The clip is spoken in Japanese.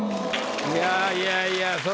いやいやいやそら